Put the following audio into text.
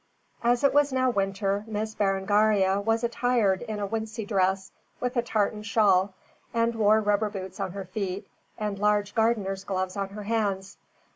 As it was now winter, Miss Berengaria was attired in a wincey dress with a tartan shawl, and wore rubber boots on her feet and large gardener's gloves on her hands.